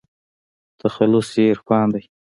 تخلص يې عرفان دى.